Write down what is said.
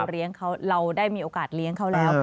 เราได้มีโอกาสเลี้ยงเขาแล้ว